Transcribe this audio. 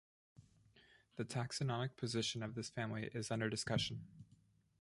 The taxonomic position of this family is under discussion.